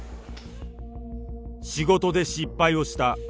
仕事で失敗をした。